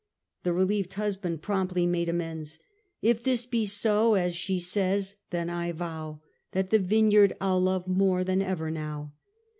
The relieved husband promptly made amends :" If this be so, as she says, then I vow That the Vineyard I'll love more than ever now."